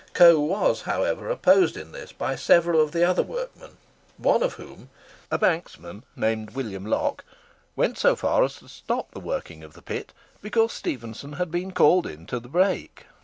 Coe was, however, opposed in this by several of the other workmen—one of whom, a banksman named William Locke, went so far as to stop the working of the pit because Stephenson had been called in to the brake.